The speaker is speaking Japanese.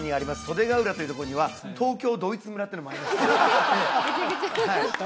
袖ケ浦というところには東京ドイツ村っていうのもありまして